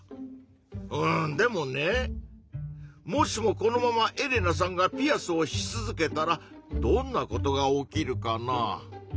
うんでもねもしもこのままエレナさんがピアスをし続けたらどんなことが起きるかな？